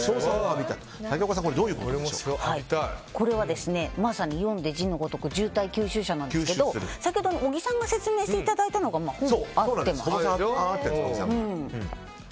竹岡さんこれはまさに読んで字のごとく渋滞吸収車なんですが先ほど小木さんが説明されたのがほぼ合ってます。